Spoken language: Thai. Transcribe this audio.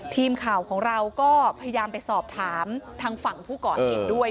ทีมข่าวของเราก็พยายามไปสอบถามทางฝั่งผู้ก่อเหตุด้วย